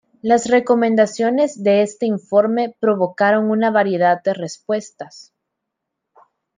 Las recomendaciones de este informe provocaron una variedad de respuestas.